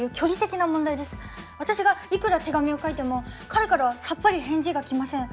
私がいくら手紙を書いても彼からはさっぱり返事が来ません。